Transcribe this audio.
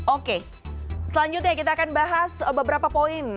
oke selanjutnya kita akan bahas beberapa poin